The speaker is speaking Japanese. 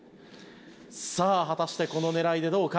さあ果たしてこの狙いでどうか？